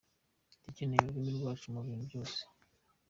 Dukeneye ururimi rwacu mu bintu byose.